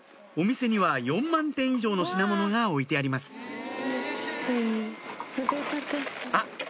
お店には４万点以上の品物が置いてありますあっ